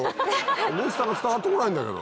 おいしさが伝わって来ないんだけど。